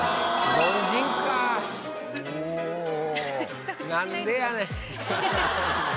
チッ何でやねん。